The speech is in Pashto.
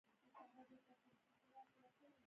سوداګرۍ ته اړتیا ده